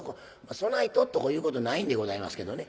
そない「トットコ」いうことないんでございますけどね。